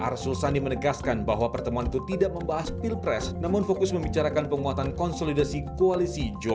sekjen p tiga arsulsani menegaskan bahwa pertemuan itu tidak membahas bill price namun fokus membicarakan penguatan konsolidasi koalisi jokowi